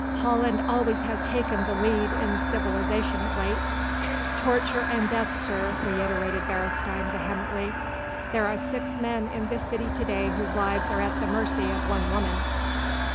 Holland always has taken the lead in civilization of late." "Torture and death, sir," reiterated Beresteyn vehemently. "There are six men in this city to day whose lives are at the mercy of one woman."